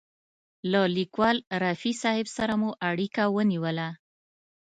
له لیکوال رفیع صاحب سره مو اړیکه ونیوله.